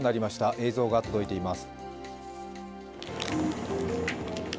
映像が届いています。